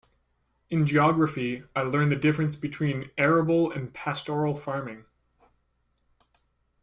In geography, I learned the difference between arable and pastoral farming.